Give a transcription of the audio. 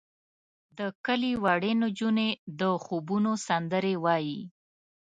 د کلي وړې نجونې د خوبونو سندرې وایې.